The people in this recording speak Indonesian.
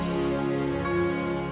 kamu hebat laura